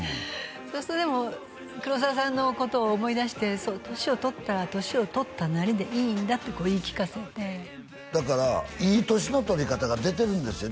そうするとでも黒澤さんのことを思い出して「年を取ったら年を取ったなりでいいんだ」ってこう言い聞かせてだからいい年の取り方が出てるんですよ